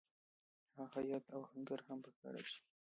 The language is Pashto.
هغه خیاط او آهنګر هم په کار اچوي